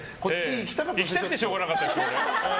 行きたくてしょうがなかったです。